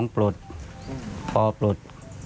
๒ปลดโปรปลด